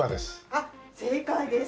あっ正解です。